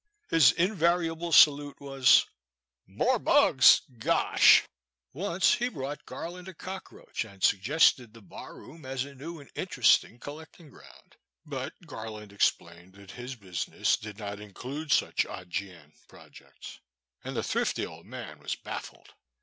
His in variable salute was, More bugs ? Gosh !" The Boys Sister. 231 Once he brought Garland a cockroach, and sug gested the bar room as a new and interesting col lecting ground, but Garland explained that his business did not include such augean projects, and the thrifty old man was baffled.